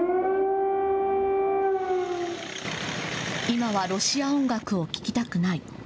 今はロシア音楽を聞きたくない。